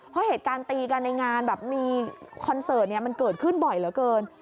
เพราะเหตุการณ์ตีกันในงานแบบมีคอนเสิร์ตมันเกิดขึ้นบ่อยเหลือเกิน